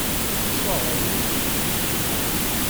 Teswaɣeḍ-t.